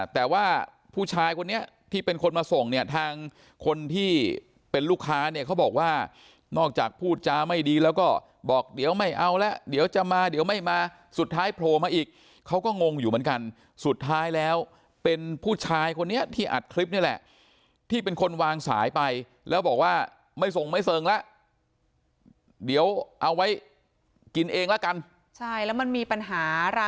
แต่ว่าผู้ชายคนนี้ที่เป็นคนมาส่งเนี่ยทางคนที่เป็นลูกค้าเนี่ยเขาบอกว่านอกจากพูดจาไม่ดีแล้วก็บอกเดี๋ยวไม่เอาแล้วเดี๋ยวจะมาเดี๋ยวไม่มาสุดท้ายโผล่มาอีกเขาก็งงอยู่เหมือนกันสุดท้ายแล้วเป็นผู้ชายคนนี้ที่อัดคลิปนี่แหละที่เป็นคนวางสายไปแล้วบอกว่าไม่ส่งไม่เซิงแล้วเดี๋ยวเอาไว้กินเองละกันใช่แล้วมันมีปัญหาร